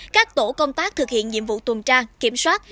các tổ công tác thực hiện nhiệm vụ tuần tra kiểm soát